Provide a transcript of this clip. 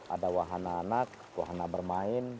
ada wahana anak wahana bermain